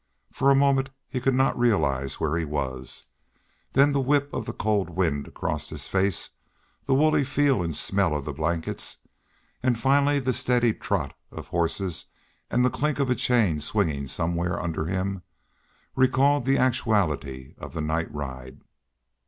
For a moment he could not realize where he was; then the whip of the cold wind across his face, the woolly feel and smell of the blankets, and finally the steady trot of horses and the clink of a chain swinging somewhere under him, recalled the actuality of the night ride.